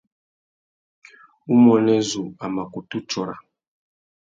Umuênê zu a mà kutu tsôra.